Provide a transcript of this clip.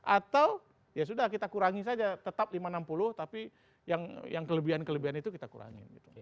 atau ya sudah kita kurangi saja tetap lima ratus enam puluh tapi yang kelebihan kelebihan itu kita kurangin